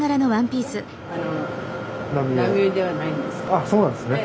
あっそうなんですね。